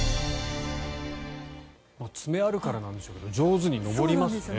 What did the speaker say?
爪があるからなんでしょうけど上手に登りますね。